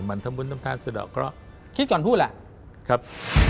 มันทำบุญทำทานสะดอกเคราะห์คิดก่อนพูดแหละครับ